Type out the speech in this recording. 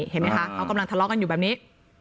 เขากำลังทะเลาะกันอยู่แบบนี้